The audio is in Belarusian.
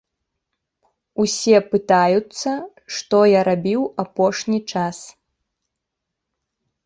Усе пытаюцца, што я рабіў апошні час.